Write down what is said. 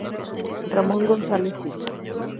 Ramón González Cid